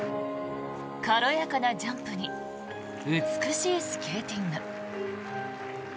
軽やかなジャンプに美しいスケーティング。